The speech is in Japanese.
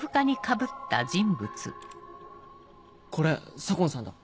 これ左紺さんだ。